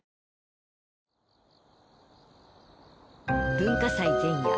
文化祭前夜